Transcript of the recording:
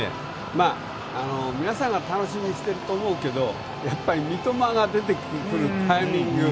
皆さんが楽しみにしていると思うけどやっぱり三笘が出てくるタイミング。